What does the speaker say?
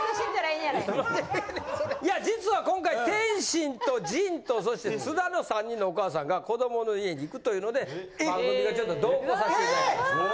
いや実は今回天心と陣とそして津田の３人のお母さんが子どもの家に行くというので番組がちょっと同行させていただきました。